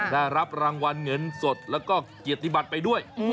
ได้รับรางวัลเงินสดแล้วก็เกียรติบัติไปด้วย